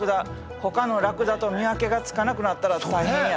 ほかのラクダと見分けがつかなくなったら大変や。